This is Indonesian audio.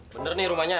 bener nih rumahnya